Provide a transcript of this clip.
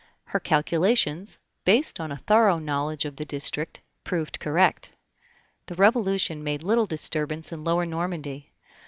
Her calculations, based on a thorough knowledge of the district, proved correct. The Revolution made little disturbance in Lower Normandy.